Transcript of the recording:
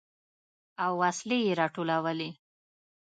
او وسلې يې راټولولې.